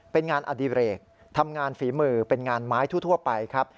เป็นงานอดิเรกทำงานฝีมือเป็นงานไม้ทั่วไปครับ